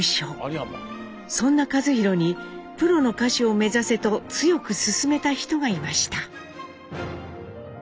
そんな一寛にプロの歌手を目指せと強く勧めた人がいました。